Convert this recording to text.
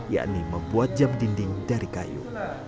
yakni membuat jam dinding dari kayu